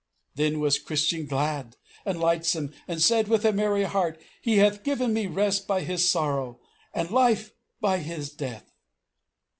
Then was Christian glad and lightsome, and said with a merry heart, 'He hath given me rest by His sorrow, and life by His death!'"